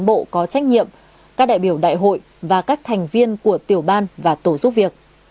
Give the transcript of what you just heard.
bộ có trách nhiệm các đại biểu đại hội và các thành viên của tiểu ban và tổ giúp việc